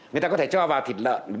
người ta có thể cho vào thịt lợn